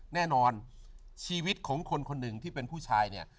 แน่นอนชีวิตของคนคนหนึ่งที่เป็นผู้ชายเนี่ย